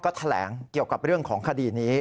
แถลงเกี่ยวกับเรื่องของคดีนี้